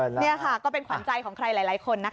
นี่ค่ะก็เป็นขวัญใจของใครหลายคนนะคะ